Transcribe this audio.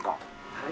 はい。